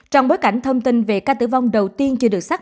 trong bối cảnh thông tin về ca tử vong đầu tiên chưa được xác